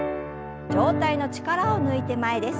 上体の力を抜いて前です。